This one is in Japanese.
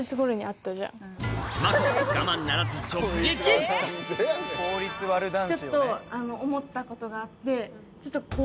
まこが我慢ならず直撃ちょっと思ったことがあって。